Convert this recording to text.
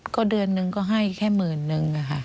ก็เดือนหนึ่งก็ให้แค่หมื่นนึงค่ะ